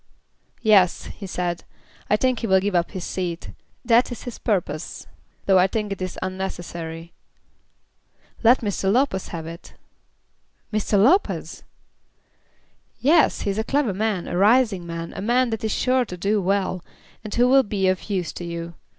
"Yes," he said, "I think he will give up his seat. That is his purpose, though I think it is unnecessary." "Let Mr. Lopez have it." "Mr. Lopez!" "Yes; he is a clever man, a rising man, a man that is sure to do well, and who will be of use to you.